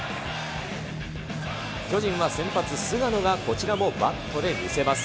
巨人は先発、菅野がこちらもバットで見せます。